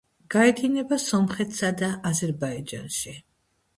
გაედინება სომხეთსა და აზერბაიჯანში.